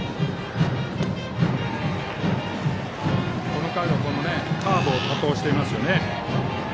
この回はカーブを多投してますね。